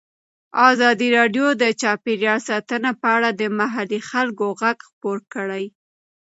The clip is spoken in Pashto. ازادي راډیو د چاپیریال ساتنه په اړه د محلي خلکو غږ خپور کړی.